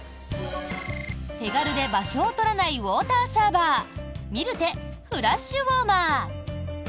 手軽で場所を取らないウォーターサーバーｍｌｔｅフラッシュウォーマー。